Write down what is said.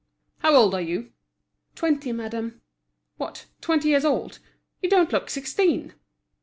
"How old are you?" "Twenty, madame." "What, twenty years old? you don't look sixteen!"